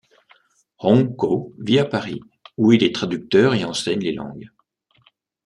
Aung Ko vit à Paris, où il est traducteur et enseigne les langues.